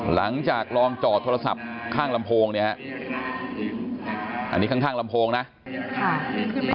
หลังจากลองจอดโทรศัพท์ข้างลำโพงเนี่ยฮะอันนี้ข้างข้างลำโพงนะค่ะ